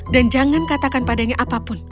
jangan katakan padanya apapun